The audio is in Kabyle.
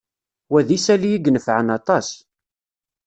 Wa d isali i inefεen aṭas.